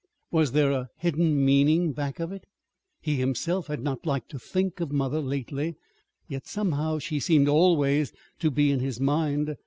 Was there a hidden meaning back of it? He himself had not liked to think of mother, lately; yet, somehow, she seemed always to be in his mind.